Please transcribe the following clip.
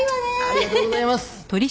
ありがとうございます！